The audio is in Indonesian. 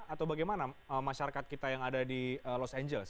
atau bagaimana masyarakat kita yang ada di los angeles